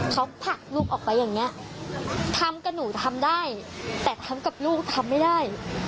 เขาผลักลูกออกไปอย่างนี้ทำกับหนูทำได้แต่ทำกับลูกทำไม่ได้